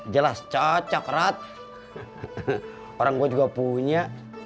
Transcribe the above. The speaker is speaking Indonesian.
jelas cocok rat orang gue juga punya